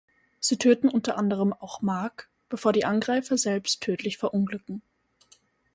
Sie töten unter anderem auch Mark, bevor die Angreifer selbst tödlich verunglücken.